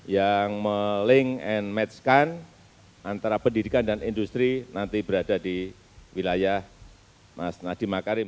yang meling and match kan antara pendidikan dan industri nanti berada di wilayah mas nadiem makarim